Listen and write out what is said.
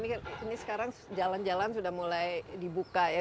karena ini sekarang jalan jalan sudah mulai dibuka ya